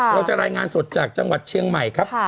เราจะรายงานสดจากจังหวัดเชียงใหม่ครับ